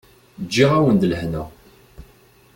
Ǧǧiɣ-awen-d lehna.